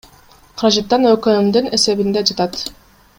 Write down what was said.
Каражаттан ӨКМдин эсебинде жатат.